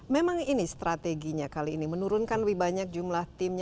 memang ini strateginya kali ini menurunkan lebih banyak jumlah timnya